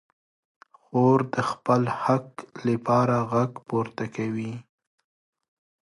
خور د خپل حق لپاره غږ پورته کوي.